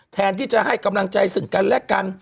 แทนที่จะให้กำลังใจซึ่งกันและกัน